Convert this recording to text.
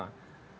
kalau ini bisa